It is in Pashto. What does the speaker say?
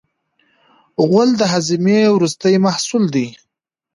غول د هاضمې وروستی محصول دی.